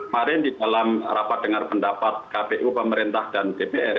kemarin di dalam rapat dengar pendapat kpu pemerintah dan dpr